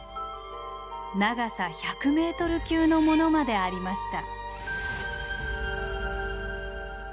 長さ１００ｍ級のものまでありました。